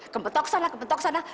kempetok sana kepetok sana